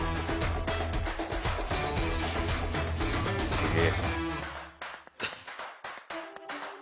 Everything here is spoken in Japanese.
すげえ。